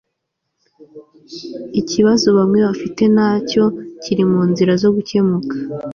ikibazo bamwe bafite nacyo kiri mu nzira zo gukemuka